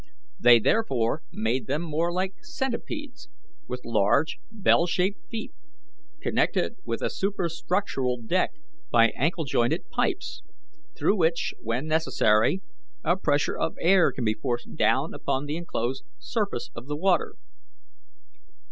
They therefore made them more like centipeds with large, bell shaped feet, connected with a superstructural deck by ankle jointed pipes, through which, when necessary, a pressure of air can be forced down upon the enclosed surface of water.